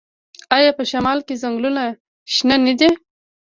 آیا په شمال کې ځنګلونه شنه نه دي؟